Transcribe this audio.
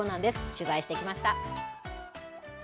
取材してきました。